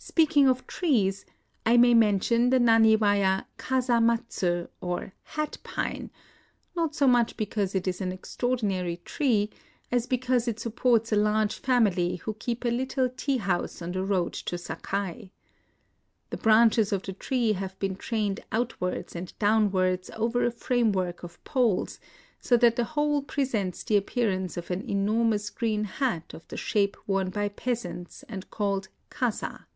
Speaking of trees, I may mention the Nani waya " Kasa matsu," or Hat Pine, — not so mucli because it is an extraordinary tree as because it supports a large family wbo keep a little tea house on the road to Sakai. The branches of the tree have been trained out wards and downwards over a framework of poles, so that the whole presents the appear ance of an enormous green hat of the shape worn by peasants and called Kasa.